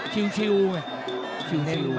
ชิลวชิวมึง